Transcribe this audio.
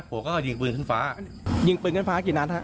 เขาก็ยิงปืนขึ้นฟ้ายิงปืนขึ้นฟ้ากี่นัดฮะ